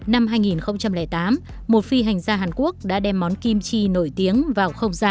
năm hai nghìn tám một phi hành gia hàn quốc đã đem món kim chi nổi tiếng vào không gian